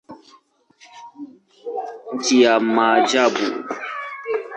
Nchi ya maajabu.